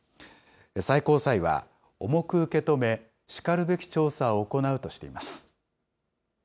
最高裁は、重く受け止め、しかるべき調査を行うとしています。